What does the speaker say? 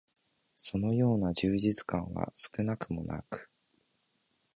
そのような充実感は少しも無く、